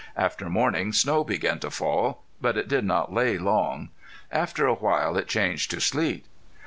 After morning snow began to fall. But it did not lay long. After a while it changed to sleet.